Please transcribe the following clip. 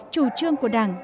chủ trương của đảng